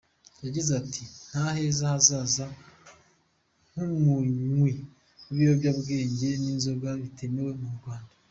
Yagize ati"Nta heza hahaza h’umunywi w’ibiyobyabwenge n’inzoga zitemewe mu Rwanda.